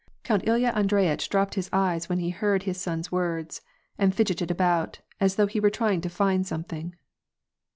" Count Ilya Andreyitch dropped his eyes when he heard his WAR AND PEACE. 68 son's words, and fidgeted about, as though he were trying to find something.